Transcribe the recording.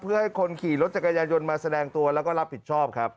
เพื่อให้คนขี่รถจักรยายนมาแสดงตัวแล้วก็รับผิดชอบครับ